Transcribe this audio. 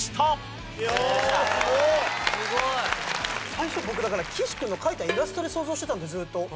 最初僕岸君が描いたイラストで想像してたんでずっと。